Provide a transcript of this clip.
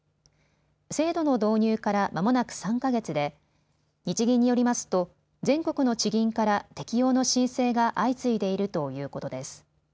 制度の導入からまもなく３か月で日銀によりますと全国の地銀から適用の申請が相次いでいるということです。